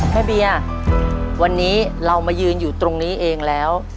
เบียร์วันนี้เรามายืนอยู่ตรงนี้เองแล้ว